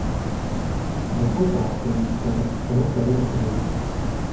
Za svou práci získal celou řadu ocenění.